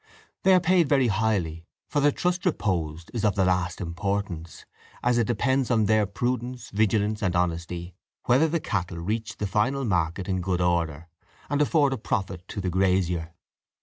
They are paid very highly, for the trust reposed is of the last importance, as it depends on their prudence, vigilance, and honesty whether the cattle reach the final market in good order, and afford a profit to the grazier.